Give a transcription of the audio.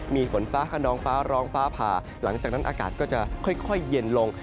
มีฝนฟ้าขนองฟ้าร้องฟ้าผ่าหลังจากนั้นอากาศก็จะค่อยเย็นลง